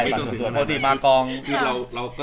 คนนี้เขาเต็มคนน่าจะตบงานอยู่แล้วล่ะค่ะ